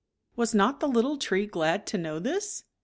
Was not the little tree glad to know this?